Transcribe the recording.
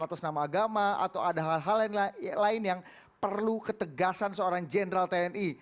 atas nama agama atau ada hal hal lain yang perlu ketegasan seorang jenderal tni